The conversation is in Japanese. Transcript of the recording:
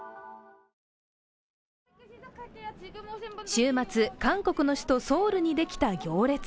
週末、韓国の首都ソウルにできた行列。